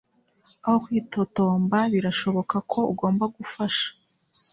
Aho kwitotomba, birashoboka ko ugomba gufasha.